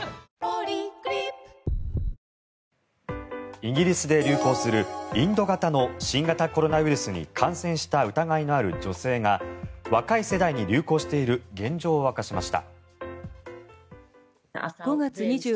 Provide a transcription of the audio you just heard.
イギリスで流行するインド型の新型コロナウイルスに感染した疑いのある女性が若い世代に流行している現状を明かしました。